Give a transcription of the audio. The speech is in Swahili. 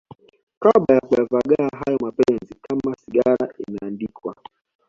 kabla ya kuyavagaa hayo mapenzi Kama sigara inaandikwa